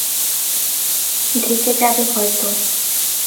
ঢেকে যাবে হয়তো।